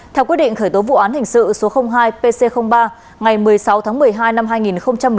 theo quyết định khởi tố vụ án hình sự số hai pc ba ngày một mươi sáu tháng một mươi hai năm hai nghìn một mươi chín